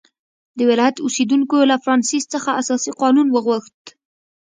د ولایت اوسېدونکو له فرانسیس څخه اساسي قانون وغوښت.